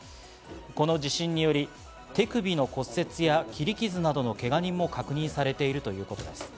この地震により手首の骨折や切り傷などのけがにも確認されているということです。